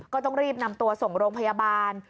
ก็ต้องรีบนำตัวส่งโรงพยาบาล